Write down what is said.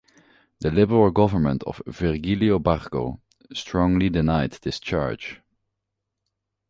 The Liberal government of Virgilio Barco strongly denied this charge.